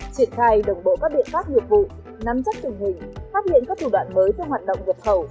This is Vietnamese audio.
triển khai đồng bộ các biện pháp nghiệp vụ nắm chất trùng hình phát hiện các thủ đoạn mới theo hoạt động vật hầu